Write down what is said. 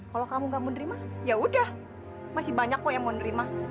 kalau kamu gak menerima ya udah masih banyak kok yang mau nerima